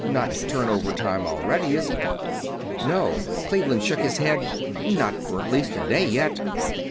"Not turn over time already, is it?" "No." Cleveland shook his head. "Not for at least a day yet."